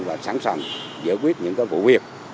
và sẵn sàng giải quyết những vụ việc